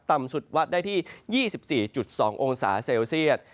ต่ำสุดวัดได้ที่๒๔๒องศาเซลเซียต